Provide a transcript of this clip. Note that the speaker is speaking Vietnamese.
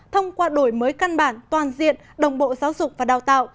thông qua đổi mới căn bản toàn diện đồng bộ giáo dục và đào tạo